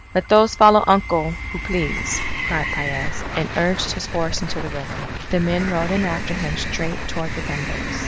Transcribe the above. "Let those follow Uncle, who please," cried Paez, and urged his horse into the river. The men rode in after him straight toward the gunboats.